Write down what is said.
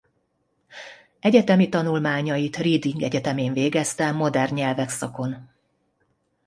Egyetemi tanulmányait Reading egyetemén végezte modern nyelvek szakon.